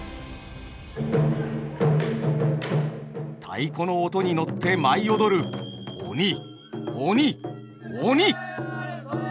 太鼓の音に乗って舞い踊る鬼鬼鬼！